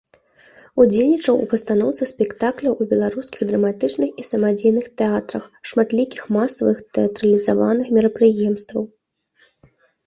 Удзельнічаў у пастаноўцы спектакляў у беларускіх драматычных і самадзейных тэатрах, шматлікіх масавых тэатралізаваных мерапрыемстваў.